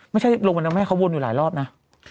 ไม่ใช่ลงไปนะแม่เขาวนอยู่หลายรอบนะ